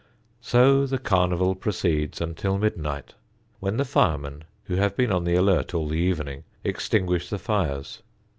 So the carnival proceeds until midnight, when the firemen, who have been on the alert all the evening, extinguish the fires.